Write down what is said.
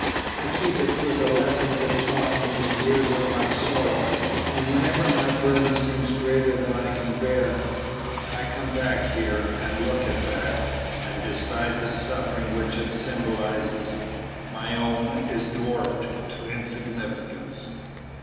I keep it for the lessons it taught me in the years of my sorrow, and whenever my burden seems greater than I can bear, I come back here and look at that, and beside the suffering which it symbolizes my own is dwarfed to insignificance."